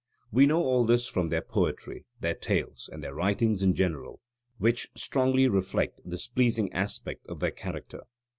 We know all this from their poetry, their tales, and their writings in general, which strongly reflect this pleasing aspect of their character.